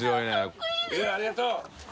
ありがとう！